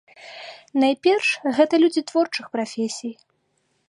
Найперш гэта людзі творчых прафесій.